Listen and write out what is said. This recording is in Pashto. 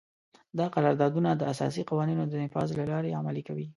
دا قراردادونه د اساسي قوانینو د نفاذ له لارې عملي کوي.